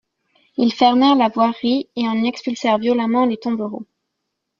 Ils fermèrent la voirie et en expulsèrent violemment les tombereaux.